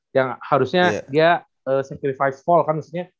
yang harusnya dia safety fall kan maksudnya